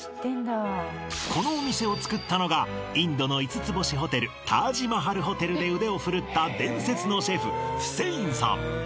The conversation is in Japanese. このお店をつくったのがインドの五つ星ホテルタージマハル・ホテルで腕を振るった伝説のシェフフセインさん